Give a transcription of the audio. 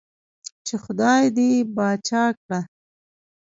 چې خدائے دې باچا کړه ـ